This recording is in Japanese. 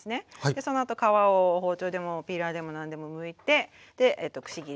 そのあと皮を包丁でもピーラーでも何でもむいてくし切りにしてあります。